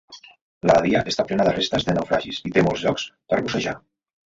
La badia està plena de restes de naufragis i té molts llocs per bussejar.